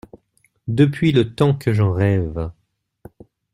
Depuis le temps que j’en rêve!